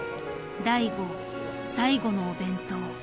醍醐最後のお弁当。